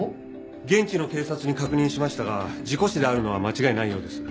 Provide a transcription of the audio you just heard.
現地の警察に確認しましたが事故死であるのは間違いないようです。